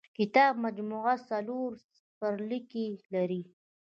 کتاب مجموعه څلور څپرکي لري.